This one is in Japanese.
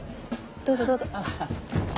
どうぞどうぞ。